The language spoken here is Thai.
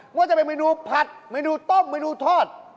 ว่าจะเป็นเมนูผัดเมนูต้มเมนูทอด